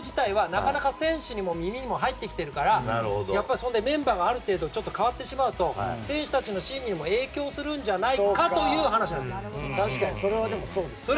なかなか選手の耳にも入ってきているからやっぱり、それでメンバーがある程度変わってしまうと選手たちの心理にも影響するんじゃないかというお話なんです。